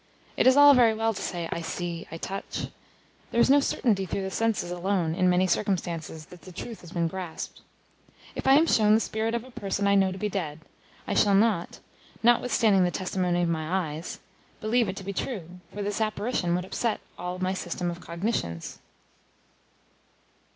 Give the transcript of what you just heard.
It is all very well to say, "I see, I touch." There is no certainty through the senses alone in many circumstances that the truth has been grasped. If I am shown the spirit of a person I know to be dead, I shall not, notwithstanding the testimony of my eyes, believe it to be true, for this apparition would upset all my system of cognitions.